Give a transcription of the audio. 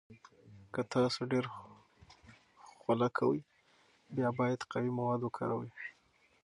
که تاسو ډیر خوله کوئ، بیا باید قوي مواد وکاروئ.